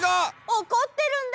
おこってるんだ！